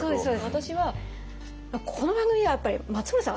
私はこの番組はやっぱり松村さん